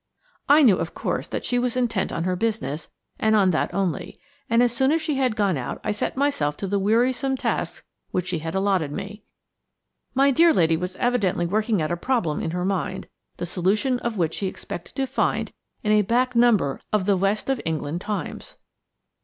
I knew, of course, that she was intent on her business and on that only, and as soon as she had gone out I set myself to the wearisome task which she had allotted me. My dear lady was evidently working out a problem in her mind, the solution of which she expected to find in a back number of the West of England Times.